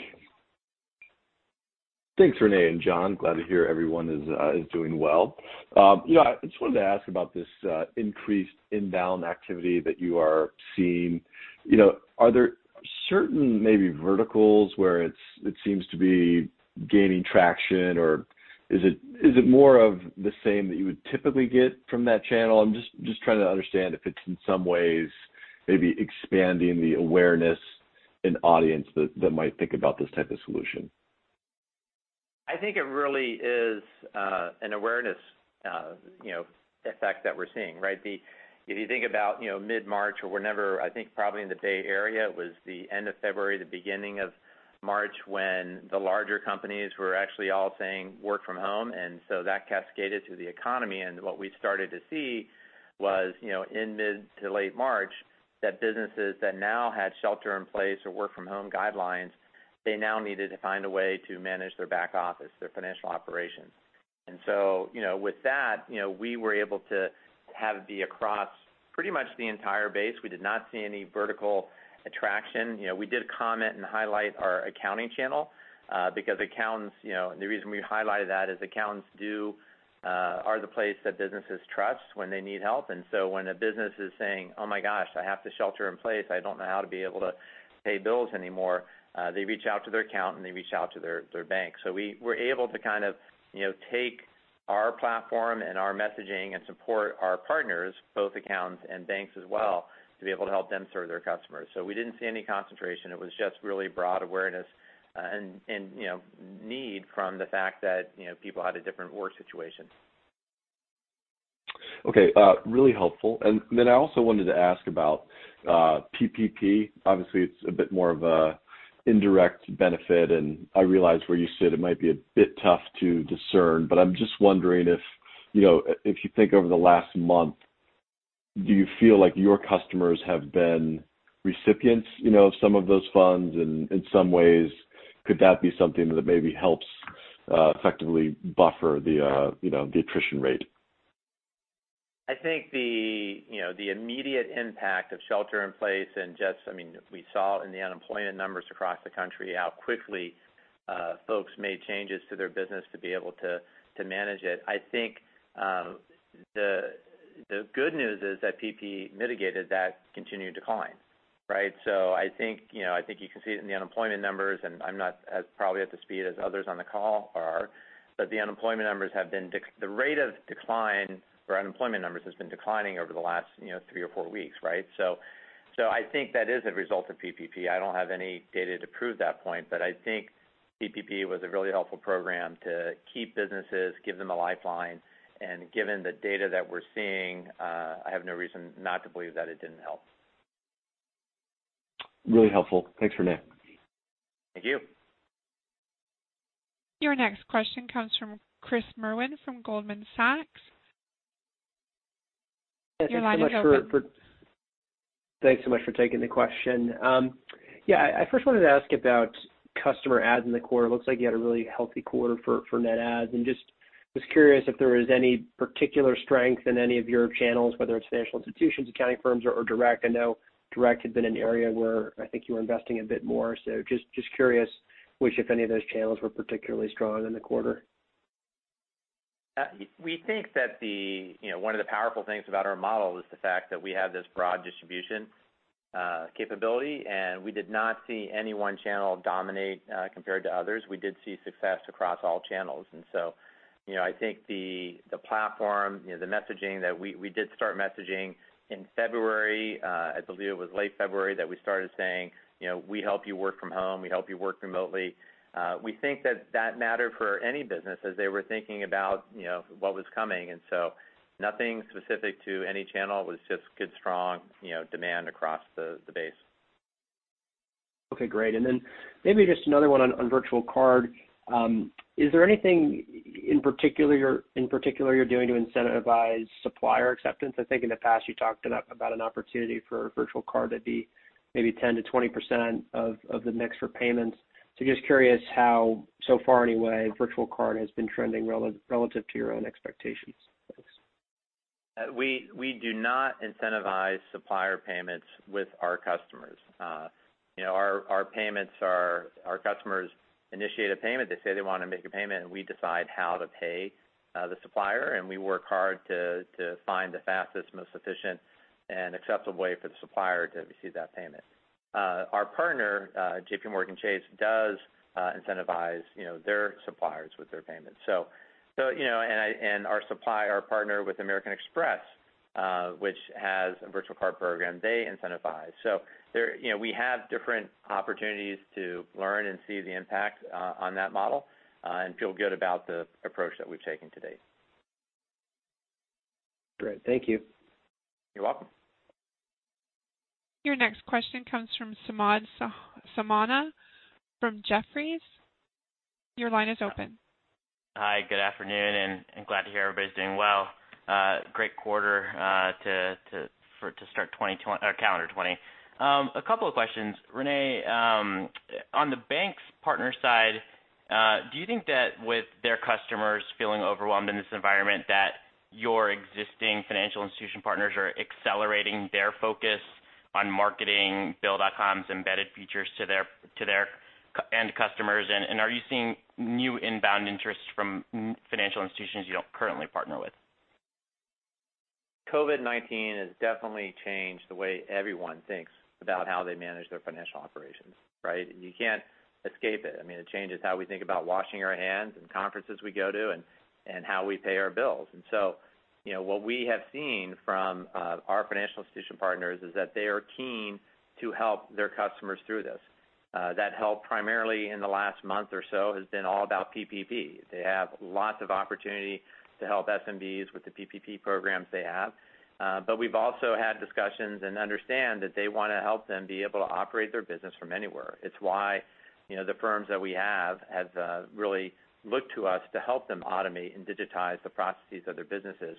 Thanks, René and John. Glad to hear everyone is doing well. I just wanted to ask about this increased inbound activity that you are seeing. Are there certain maybe verticals where it seems to be gaining traction, or is it more of the same that you would typically get from that channel? I'm just trying to understand if it's in some ways maybe expanding the awareness in audience that might think about this type of solution. I think it really is an awareness effect that we're seeing, right? If you think about mid-March or whenever, I think probably in the Bay Area, it was the end of February, the beginning of March, when the larger companies were actually all saying work from home, and so that cascaded through the economy. What we started to see was in mid to late March, that businesses that now had shelter in place or work from home guidelines, they now needed to find a way to manage their back office, their financial operations. With that, we were able to have it be across pretty much the entire base. We did not see any vertical attraction. We did comment and highlight our accounting channel because accountants, the reason we highlighted that is accountants are the place that businesses trust when they need help. When a business is saying, "Oh my gosh, I have to shelter in place. I don't know how to be able to pay bills anymore," they reach out to their accountant, and they reach out to their bank. We were able to kind of take our platform and our messaging and support our partners, both accountants and banks as well, to be able to help them serve their customers. We didn't see any concentration. It was just really broad awareness and need from the fact that people had a different work situation. Okay. Really helpful. I also wanted to ask about PPP. Obviously, it's a bit more of an indirect benefit, and I realize where you said it might be a bit tough to discern, but I'm just wondering if you think over the last month, do you feel like your customers have been recipients of some of those funds and in some ways could that be something that maybe helps effectively buffer the attrition rate? I think the immediate impact of shelter in place and just, we saw in the unemployment numbers across the country how quickly folks made changes to their business to be able to manage it. I think the good news is that PPP mitigated that continued decline, right? I think you can see it in the unemployment numbers, and I'm not as probably up to speed as others on the call are, but the unemployment numbers have been declining over the last three or four weeks, right? I think that is a result of PPP. I don't have any data to prove that point, but I think PPP was a really helpful program to keep businesses, give them a lifeline, and given the data that we're seeing, I have no reason not to believe that it didn't help. Really helpful. Thanks, René. Thank you. Your next question comes from Chris Merwin from Goldman Sachs. Your line is open. Thanks so much for taking the question. Yeah, I first wanted to ask about customer adds in the quarter. It looks like you had a really healthy quarter for net adds, and just was curious if there was any particular strength in any of your channels, whether it's financial institutions, accounting firms, or direct. I know direct had been an area where I think you were investing a bit more. Just curious which, if any, of those channels were particularly strong in the quarter. We think that one of the powerful things about our model is the fact that we have this broad distribution capability, and we did not see any one channel dominate compared to others. We did see success across all channels. I think the platform, the messaging that we did start messaging in February, I believe it was late February that we started saying, "We help you work from home, we help you work remotely." We think that that mattered for any business as they were thinking about what was coming. Nothing specific to any channel. It was just good, strong demand across the base. Okay, great. And then maybe just another one on virtual card. Is there anything in particular you're doing to incentivize supplier acceptance? I think in the past you talked about an opportunity for virtual card to be maybe 10%-20% of the mix for payments. Just curious how, so far anyway, virtual card has been trending relative to your own expectations. Thanks. We do not incentivize supplier payments with our customers. Our customers initiate a payment. They say they want to make a payment, and we decide how to pay the supplier, and we work hard to find the fastest, most efficient, and acceptable way for the supplier to receive that payment. Our partner, JPMorgan Chase, does incentivize their suppliers with their payments. Our partner with American Express, which has a virtual card program, they incentivize. We have different opportunities to learn and see the impact on that model, and feel good about the approach that we've taken to date. Great. Thank you. You're welcome. Your next question comes from Samad Samana from Jefferies. Your line is open. Hi, good afternoon, and glad to hear everybody's doing well. Great quarter to start calendar 2020. A couple of questions. René, on the banks partner side, do you think that with their customers feeling overwhelmed in this environment, that your existing financial institution partners are accelerating their focus on marketing Bill.com's embedded features to their end customers? Are you seeing new inbound interest from financial institutions you don't currently partner with? COVID-19 has definitely changed the way everyone thinks about how they manage their financial operations, right? You can't escape it. I mean, it changes how we think about washing our hands, and conferences we go to, and how we pay our bills. What we have seen from our financial institution partners is that they are keen to help their customers through this. That help primarily in the last month or so has been all about PPP. They have lots of opportunity to help SMBs with the PPP programs they have. We've also had discussions and understand that they want to help them be able to operate their business from anywhere. It's why the firms that we have really looked to us to help them automate and digitize the processes of their businesses.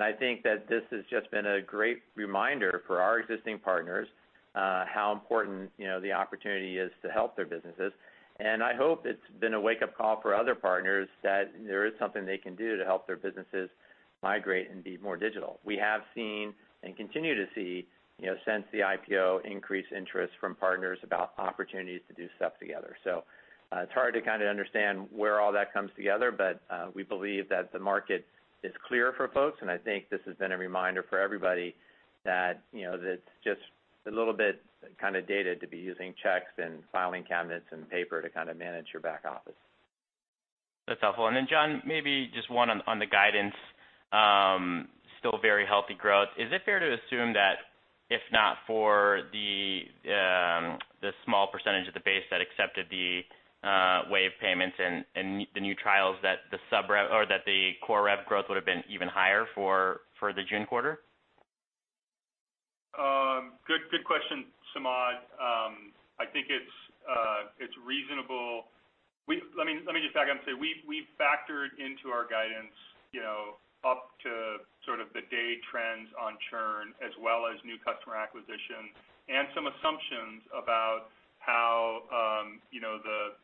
I think that this has just been a great reminder for our existing partners how important the opportunity is to help their businesses. I hope it's been a wake-up call for other partners that there is something they can do to help their businesses migrate and be more digital. We have seen, and continue to see, since the IPO, increased interest from partners about opportunities to do stuff together. It's hard to kind of understand where all that comes together, but we believe that the market is clear for folks, and I think this has been a reminder for everybody that it's just a little bit kind of dated to be using checks and filing cabinets and paper to kind of manage your back office. That's helpful. John, maybe just one on the guidance. Still very healthy growth. Is it fair to assume that if not for the small percentage of the base that accepted the waive payments and the new trials, that the core rev growth would have been even higher for the June quarter? Good question, Samad. I think it's reasonable. Let me just back up and say we've factored into our guidance up to sort of the day trends on churn as well as new customer acquisition and some assumptions about how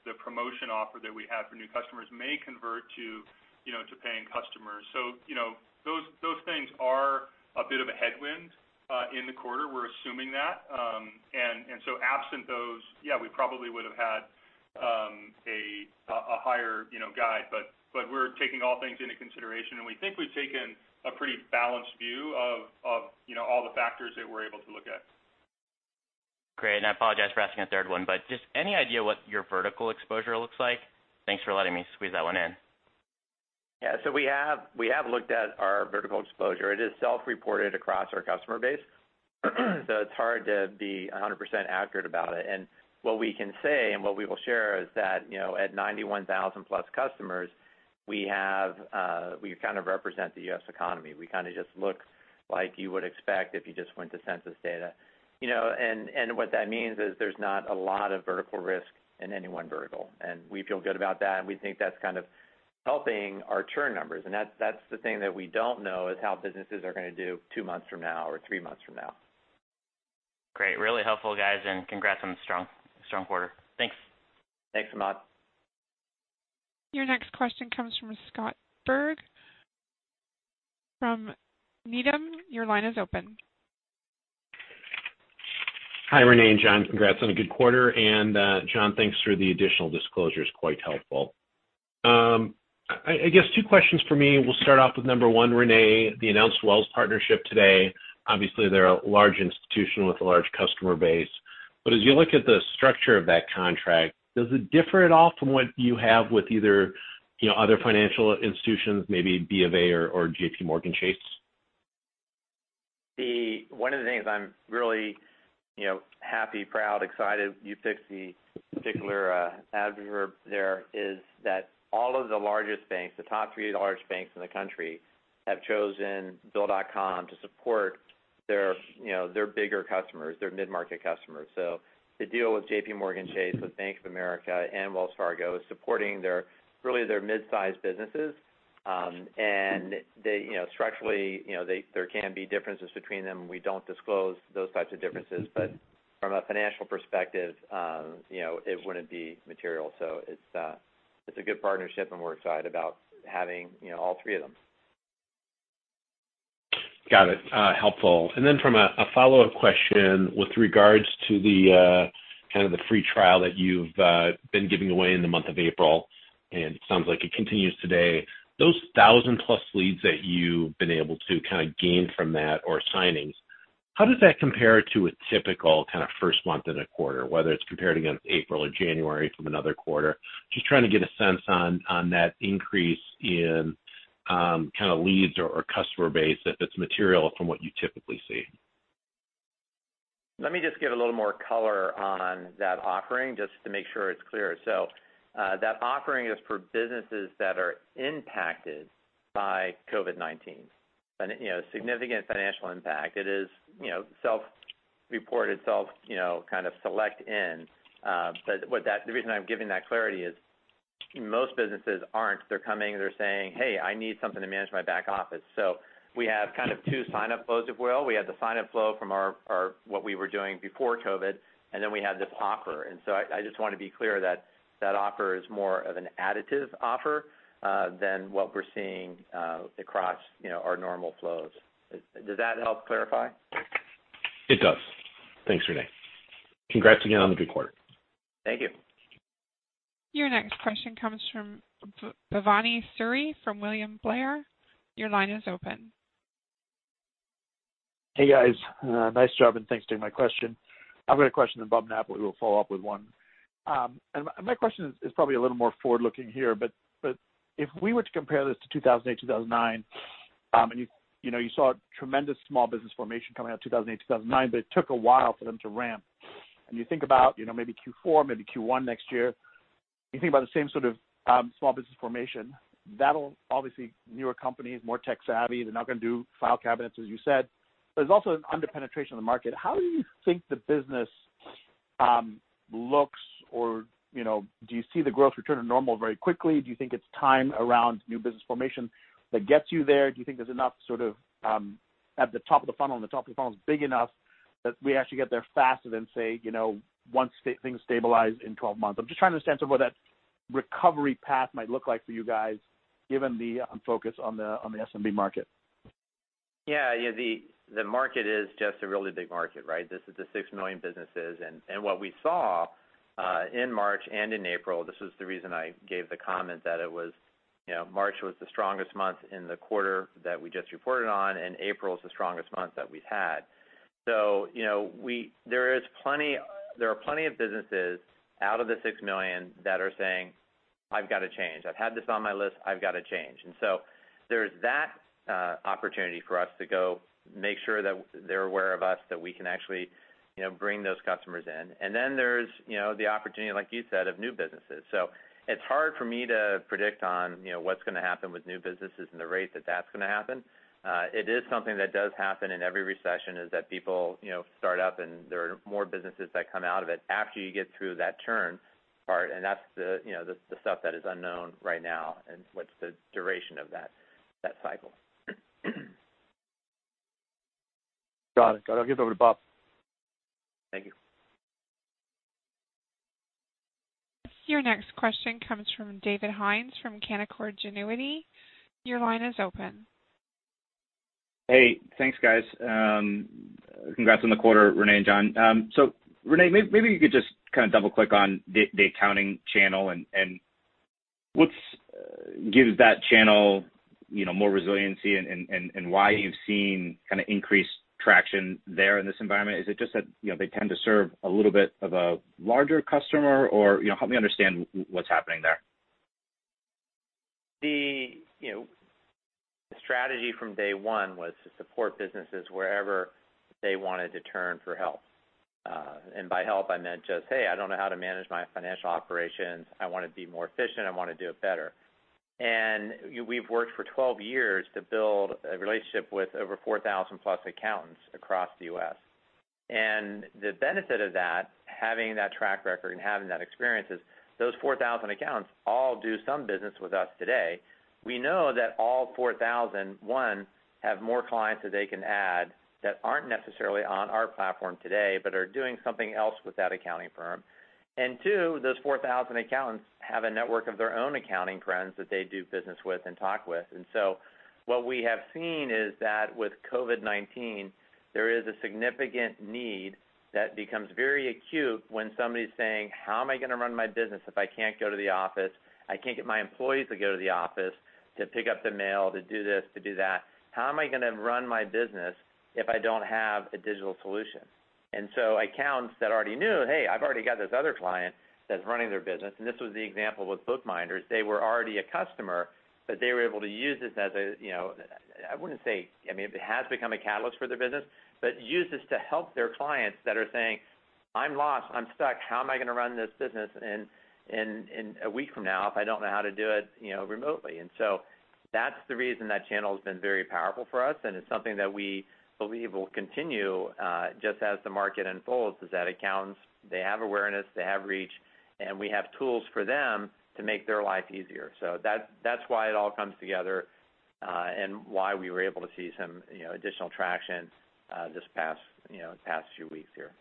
the promotion offer that we have for new customers may convert to paying customers. Those things are a bit of a headwind in the quarter. We're assuming that. Absent those, yeah, we probably would have had a higher guide, but we're taking all things into consideration, and we think we've taken a pretty balanced view of all the factors that we're able to look at. Great, and I apologize for asking a third one, but just any idea what your vertical exposure looks like? Thanks for letting me squeeze that one in. Yeah. We have looked at our vertical exposure. It is self-reported across our customer base, so it's hard to be 100% accurate about it. What we can say, and what we will share is that, at 91,000+ customers, we kind of represent the U.S. economy. We kind of just look like you would expect if you just went to census data. What that means is there's not a lot of vertical risk in any one vertical, and we feel good about that, and we think that's kind of helping our churn numbers. That's the thing that we don't know, is how businesses are going to do two months from now or three months from now. Great. Really helpful, guys. Congrats on a strong quarter. Thanks. Thanks, Samad. Your next question comes from Scott Berg from Needham. Your line is open. Hi, René and John. Congrats on a good quarter. John, thanks for the additional disclosures, quite helpful. I guess two questions from me. We'll start off with number one, René, the announced Wells partnership today. Obviously, they're a large institution with a large customer base. As you look at the structure of that contract, does it differ at all from what you have with either other financial institutions, maybe B of A or JPMorgan Chase? One of the things I'm really happy, proud, excited, you pick the particular adverb there, is that all of the largest banks, the top three largest banks in the country, have chosen Bill.com to support their bigger customers, their mid-market customers. The deal with JPMorgan Chase, with Bank of America, and Wells Fargo is supporting really their mid-size businesses. Structurally, there can be differences between them. We don't disclose those types of differences. From a financial perspective, it wouldn't be material. It's a good partnership, and we're excited about having all three of them. Got it. Helpful. From a follow-up question with regards to the free trial that you've been giving away in the month of April, and it sounds like it continues today. Those 1,000+ leads that you've been able to gain from that or signings, how does that compare to a typical first month in a quarter, whether it's compared against April or January from another quarter? Just trying to get a sense on that increase in leads or customer base, if it's material from what you typically see. Let me just give a little more color on that offering, just to make sure it's clear. That offering is for businesses that are impacted by COVID-19, significant financial impact. It is self-reported, self, kind of select in. The reason I'm giving that clarity is most businesses aren't. They're coming, they're saying, "Hey, I need something to manage my back office." We have two signup flows, if you will. We have the signup flow from what we were doing before COVID, then we have this offer. I just want to be clear that offer is more of an additive offer than what we're seeing across our normal flows. Does that help clarify? It does. Thanks, René. Congrats again on the good quarter. Thank you. Your next question comes from Bhavan Suri from William Blair. Your line is open. Hey, guys. Nice job, thanks for taking my question. I've got a question of Bob Napoli, but we will follow up with one. My question is probably a little more forward-looking here, but if we were to compare this to 2008, 2009, and you saw tremendous small business formation coming out of 2008, 2009, but it took a while for them to ramp. You think about maybe Q4, maybe Q1 next year, you think about the same sort of small business formation. That'll obviously, newer companies, more tech-savvy, they're not going to do file cabinets, as you said. There's also an under-penetration of the market. How do you think the business looks or do you see the growth return to normal very quickly? Do you think it's time around new business formation that gets you there? Do you think there's enough at the top of the funnel, and the top of the funnel is big enough that we actually get there faster than, say, once things stabilize in 12 months? I'm just trying to understand sort of what that recovery path might look like for you guys, given the focus on the SMB market. Yeah. The market is just a really big market, right? This is the 6 million businesses. What we saw, in March and in April, this was the reason I gave the comment that March was the strongest month in the quarter that we just reported on, and April was the strongest month that we've had. There are plenty of businesses out of the 6 million that are saying, "I've got to change. I've had this on my list, I've got to change." There's that opportunity for us to go make sure that they're aware of us, that we can actually bring those customers in. There's the opportunity, like you said, of new businesses. It's hard for me to predict on what's going to happen with new businesses and the rate that that's going to happen. It is something that does happen in every recession, is that people start up and there are more businesses that come out of it after you get through that churn part, and that's the stuff that is unknown right now, and what's the duration of that cycle. Got it. I'll give it over to Bob. Thank you. Your next question comes from David Hynes from Canaccord Genuity. Your line is open. Hey. Thanks, guys. Congrats on the quarter, René and John. René, maybe you could just double-click on the accounting channel and what gives that channel more resiliency and why you've seen increased traction there in this environment? Is it just that they tend to serve a little bit of a larger customer? Help me understand what's happening there. The strategy from day one was to support businesses wherever they wanted to turn for help. By help, I meant just, Hey, I don't know how to manage my financial operations. I want to be more efficient. I want to do it better. We've worked for 12 years to build a relationship with over 4,000+ accountants across the U.S. The benefit of that, having that track record and having that experience, is those 4,000 accountants all do some business with us today. We know that all 4,000, one, have more clients that they can add that aren't necessarily on our platform today, but are doing something else with that accounting firm. Two, those 4,000 accountants have a network of their own accounting friends that they do business with and talk with. What we have seen is that with COVID-19, there is a significant need that becomes very acute when somebody's saying, "How am I going to run my business if I can't go to the office? I can't get my employees to go to the office to pick up the mail, to do this, to do that. How am I going to run my business if I don't have a digital solution?" Accountants that already knew, "Hey, I've already got this other client that's running their business," and this was the example with Bookminders. They were already a customer, but they were able to use this as a, I wouldn't say, it has become a catalyst for their business, but use this to help their clients that are saying, "I'm lost, I'm stuck. How am I going to run this business in a week from now if I don't know how to do it remotely? That's the reason that channel has been very powerful for us, and it's something that we believe will continue, just as the market unfolds, is that accountants, they have awareness, they have reach, and we have tools for them to make their life easier. That's why it all comes together, and why we were able to see some additional traction this past few weeks here.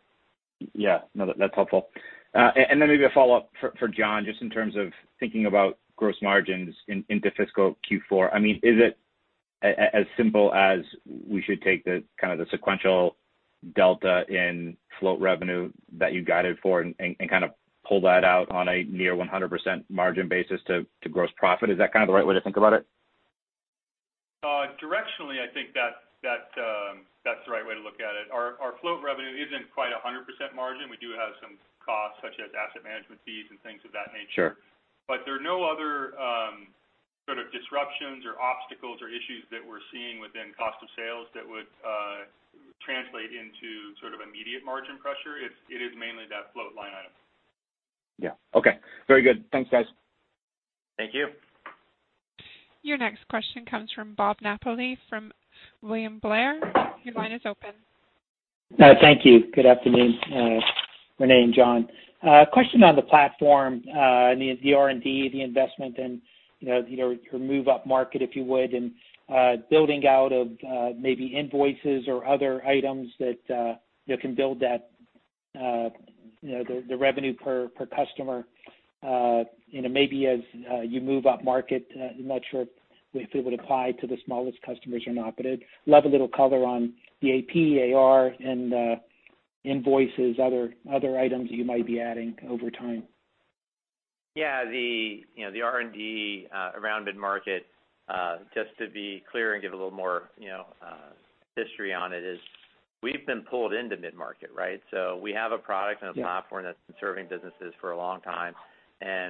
Yeah. No, that's helpful. Maybe a follow-up for John, just in terms of thinking about gross margins into fiscal Q4. Is it as simple as we should take the sequential delta in float revenue that you guided for and pull that out on a near 100% margin basis to gross profit? Is that the right way to think about it? Directionally, I think that's the right way to look at it. Our float revenue isn't quite 100% margin. We do have some costs, such as asset management fees and things of that nature. Sure. There are no other sort of disruptions or obstacles or issues that we're seeing within cost of sales that would translate into sort of immediate margin pressure. It is mainly that float line item. Yeah. Okay. Very good. Thanks, guys. Thank you. Your next question comes from Bob Napoli from William Blair. Your line is open. Thank you. Good afternoon, René and John. A question on the platform, the R&D, the investment, and your move up market, if you would, and building out of maybe invoices or other items that can build the revenue per customer maybe as you move up market. I'm not sure if it would apply to the smallest customers or not, but I'd love a little color on the AP, AR, and invoices, other items that you might be adding over time. Yeah. The R&D around mid-market, just to be clear and give a little more history on it is we've been pulled into mid-market, right? We have a product- Yeah A platform that's been serving businesses for a long time.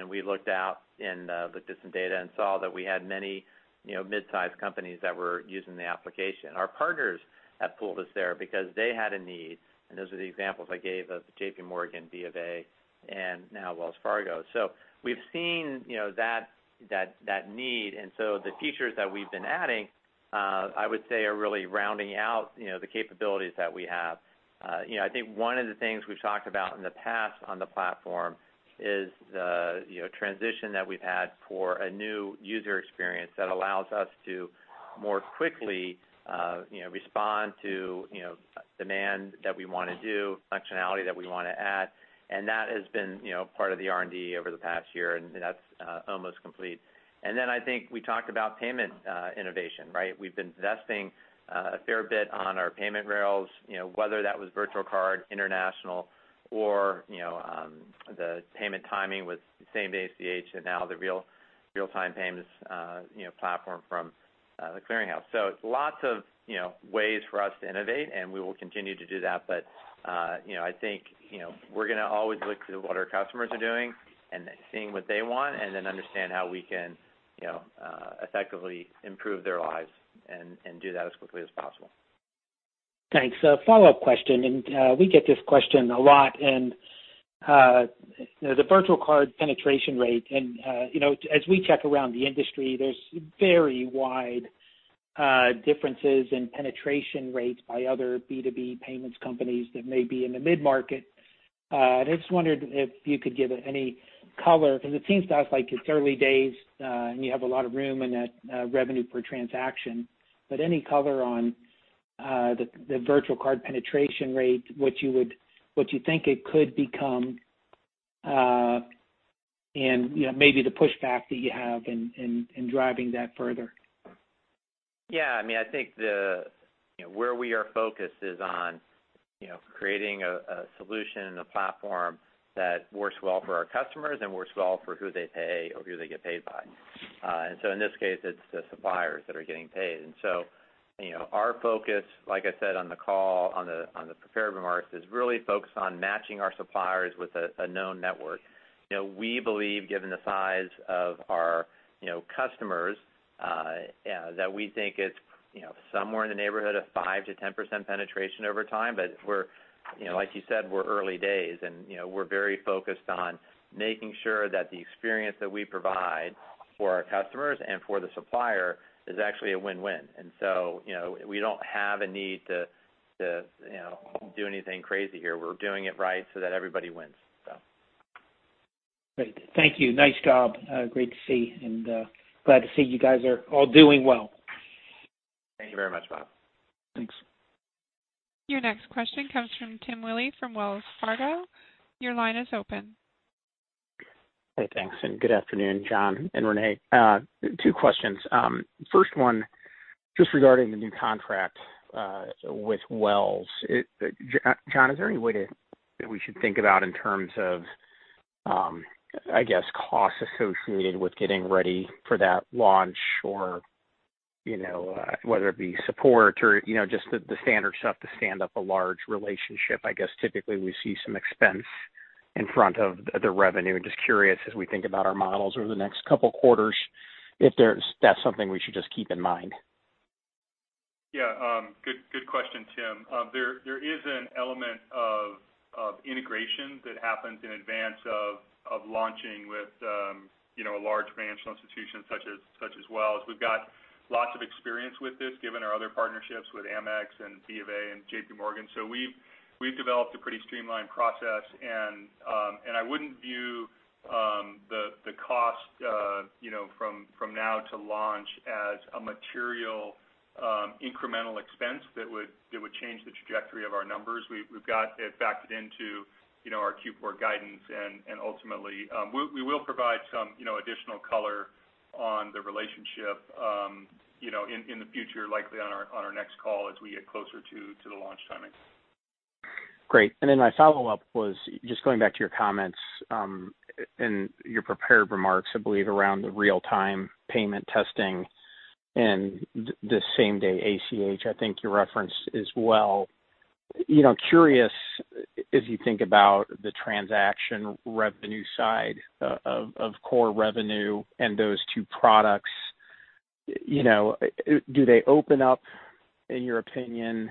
We looked out and looked at some data and saw that we had many mid-sized companies that were using the application. Our partners have pulled us there because they had a need. Those are the examples I gave of JPMorgan, B of A, and now Wells Fargo. We've seen that need. The features that we've been adding, I would say, are really rounding out the capabilities that we have. I think one of the things we've talked about in the past on the platform is the transition that we've had for a new user experience that allows us to more quickly respond to demand that we want to do, functionality that we want to add, and that has been part of the R&D over the past year, and that's almost complete. I think we talked about payment innovation, right? We've been investing a fair bit on our payment rails, whether that was virtual card, international, or the payment timing with same-day ACH, and now the real-time payments platform from The Clearing House. Lots of ways for us to innovate, and we will continue to do that. I think we're going to always look to what our customers are doing and seeing what they want and understand how we can effectively improve their lives and do that as quickly as possible. Thanks. A follow-up question, we get this question a lot, the virtual card penetration rate, as we check around the industry, there's very wide differences in penetration rates by other B2B payments companies that may be in the mid-market. I just wondered if you could give any color, because it seems to us like it's early days, and you have a lot of room in that revenue per transaction. Any color on the virtual card penetration rate, what you think it could become, and maybe the pushback that you have in driving that further. Yeah. I think where we are focused is on creating a solution and a platform that works well for our customers and works well for who they pay or who they get paid by. In this case, it's the suppliers that are getting paid. Our focus, like I said on the call, on the prepared remarks, is really focused on matching our suppliers with a known network. We believe given the size of our customers, that we think it's somewhere in the neighborhood of 5%-10% penetration over time. Like you said, we're early days and we're very focused on making sure that the experience that we provide for our customers and for the supplier is actually a win-win. We don't have a need to do anything crazy here. We're doing it right so that everybody wins. Great. Thank you. Nice job. Great to see and glad to see you guys are all doing well. Thank you very much, Bob. Thanks. Your next question comes from Tim Willi from Wells Fargo. Your line is open. Hey, thanks and good afternoon, John and René. Two questions. First one, just regarding the new contract with Wells. John, is there any way that we should think about in terms of, I guess, costs associated with getting ready for that launch or whether it be support or just the standard stuff to stand up a large relationship? I guess typically we see some expense in front of the revenue. Just curious, as we think about our models over the next couple quarters, if that's something we should just keep in mind. Yeah. Good question, Tim. There is an element of integration that happens in advance of launching with a large financial institution such as Wells. We've got lots of experience with this given our other partnerships with Amex and B of A and JPMorgan. We've developed a pretty streamlined process and I wouldn't view the cost from now to launch as a material incremental expense that would change the trajectory of our numbers. We've got it backed into our Q4 guidance and ultimately, we will provide some additional color on the relationship in the future, likely on our next call as we get closer to the launch timing. Great. My follow-up was just going back to your comments in your prepared remarks, I believe, around the real-time payment testing and the same day ACH, I think you referenced as well. Curious, as you think about the transaction revenue side of core revenue and those two products, do they open up, in your opinion,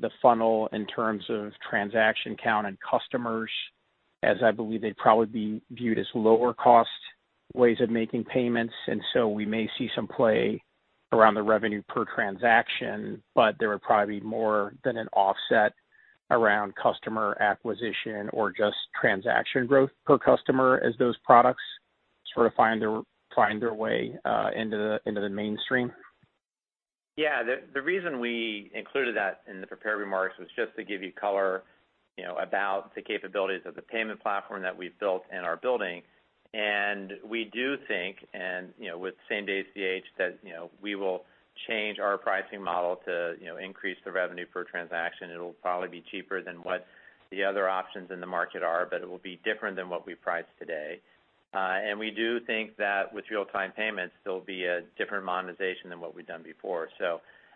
the funnel in terms of transaction count and customers as I believe they'd probably be viewed as lower cost ways of making payments, and so we may see some play around the revenue per transaction, but there would probably be more than an offset around customer acquisition or just transaction growth per customer as those products sort of find their way into the mainstream? Yeah. The reason we included that in the prepared remarks was just to give you color about the capabilities of the payment platform that we've built and are building. We do think, and with same-day ACH that we will change our pricing model to increase the revenue per transaction. It'll probably be cheaper than what the other options in the market are, but it will be different than what we price today. We do think that with real-time payments, there'll be a different monetization than what we've done before.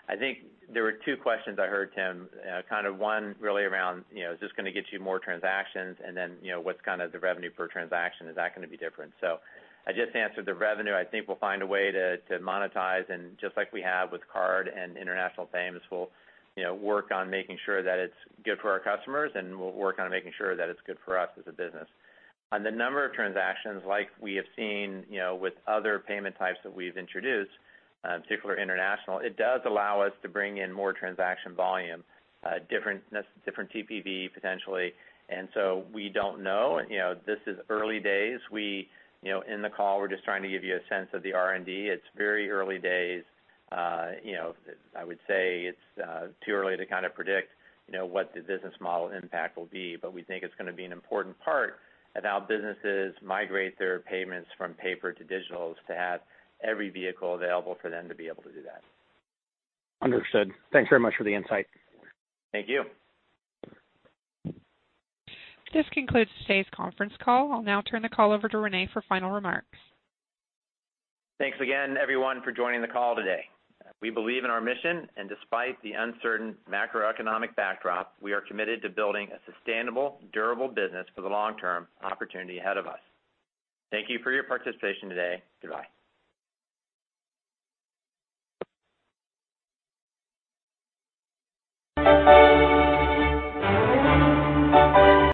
I think there were two questions I heard, Tim. One really around is this going to get you more transactions? What's the revenue per transaction? Is that going to be different? I just answered the revenue. I think we'll find a way to monetize and just like we have with card and international payments, we'll work on making sure that it's good for our customers and we'll work on making sure that it's good for us as a business. On the number of transactions like we have seen with other payment types that we've introduced, particularly international, it does allow us to bring in more transaction volume, different TPV potentially. We don't know. This is early days. In the call, we're just trying to give you a sense of the R&D. It's very early days. I would say it's too early to predict what the business model impact will be. We think it's going to be an important part of how businesses migrate their payments from paper to digital is to have every vehicle available for them to be able to do that. Understood. Thanks very much for the insight. Thank you. This concludes today's conference call. I'll now turn the call over to René for final remarks. Thanks again, everyone, for joining the call today. We believe in our mission. Despite the uncertain macroeconomic backdrop, we are committed to building a sustainable, durable business for the long-term opportunity ahead of us. Thank you for your participation today. Goodbye.